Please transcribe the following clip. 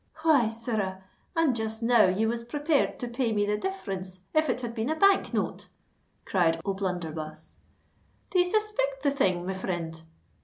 "Why! sirrah, and just now you was prepared to pay me the difference if it had been a Bank note!" cried O'Blunderbuss. "D'ye suspict the thing, my frind?